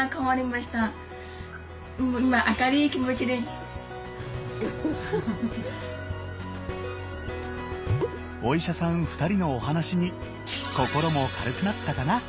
私は親がお医者さん２人のお話に心も軽くなったかな？